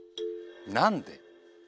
なんで？